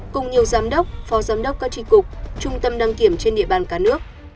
cùng nhiều giám đốc phó giám đốc các tri cục trung tâm đăng kiểm trên địa bàn cả nước